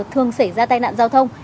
thường xảy ra tai nạn giao thông